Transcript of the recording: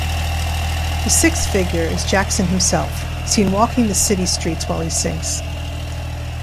The sixth figure is Jackson himself, seen walking the city streets while he sings.